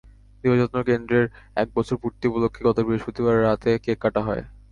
দিবাযত্ন কেন্দ্রের এক বছর পূর্তি উপলক্ষে গত বৃহস্পতিবার রাতে কেক কাটা হয়।